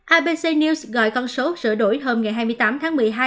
abc news gọi con số sửa đổi hôm ngày hai mươi tám tháng một mươi hai